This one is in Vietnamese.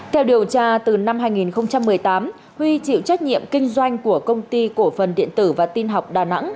theo điều tra từ năm hai nghìn một mươi tám huy chịu trách nhiệm kinh doanh của công ty cổ phần điện tử và tin học đà nẵng